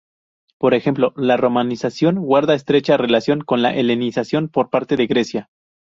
Por ejemplo, la romanización guarda estrecha relación con la helenización por parte de Grecia.